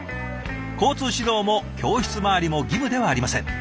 交通指導も教室回りも義務ではありません。